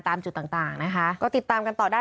ตามจุดต่างต่างนะคะก็ติดตามกันต่อได้